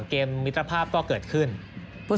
ส่วนที่สุดท้ายส่วนที่สุดท้าย